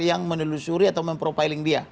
yang menelusuri atau mempropiling dia